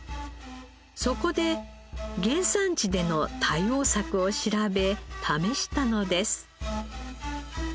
そこで原産地での対応策を調べ試したのです。